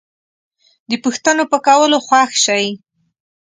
د پوښتنو په کولو خوښ شئ